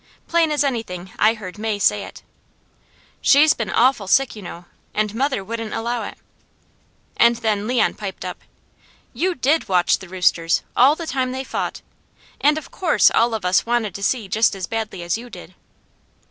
Plain as anything I heard May say It: "She's been awful sick, you know, and mother wouldn't allow it." And then Leon piped up: "You DID watch the roosters, all the time they fought, and of course all of us wanted to see just as badly as you did."